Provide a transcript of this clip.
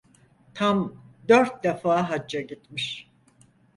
Tam dört defa hacca gitmiş.